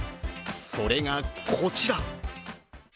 それが、こちら！